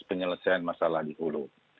penyelesaian masalah dihulu